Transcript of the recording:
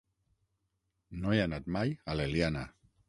No he anat mai a l'Eliana.